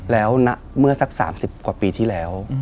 แล้วเมื่อสัก๓๐กว่าปีที่แล้ว